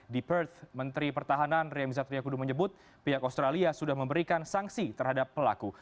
di perth menteri pertahanan ria miza triakudu menyebut pihak australia sudah memberikan sanksi terhadap pelaku